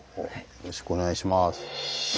よろしくお願いします。